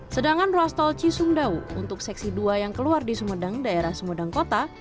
sedangkan ruas tol cisumdawu untuk seksi dua yang keluar di sumedang daerah sumedang kota